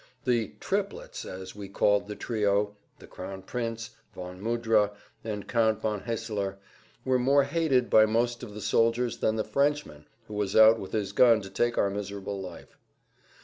The "triplets," as we called the trio, the Crown Prince, von Mudra, and Count von Haeseler, were more hated by most of the soldiers than the Frenchman who was out with his gun to take our miserable life.